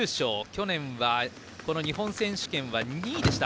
去年は日本選手権は２位でした。